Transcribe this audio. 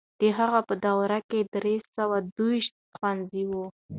د هغه په دوره کې درې سوه دوه ويشت ښوونځي وو.